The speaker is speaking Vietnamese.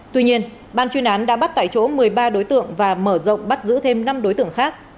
tuy nhiên ban chuyên án đã bắt tại chỗ một mươi ba đối tượng và mở rộng bắt giữ thêm năm đối tượng khác